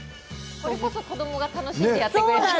これこそ子どもが楽しんでやってくれる。